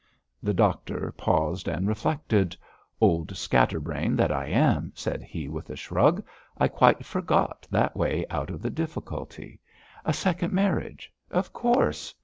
The doctor paused and reflected. 'Old scatterbrain that I am,' said he, with a shrug, 'I quite forgot that way out of the difficulty. A second marriage! Of course!